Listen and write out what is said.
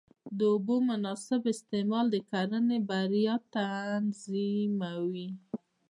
د اوبو مناسب استعمال د کرنې بریا تضمینوي.